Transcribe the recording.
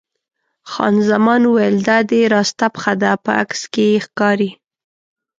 خان زمان وویل: دا دې راسته پښه ده، په عکس کې یې ښکاري.